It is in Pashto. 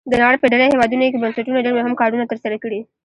د نړۍ په ډیری هیوادونو کې بنسټونو ډیر مهم کارونه تر سره کړي.